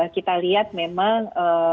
kita lihat memang